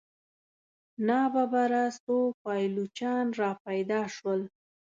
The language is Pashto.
ناببره څو پایلوچان را پیدا شول.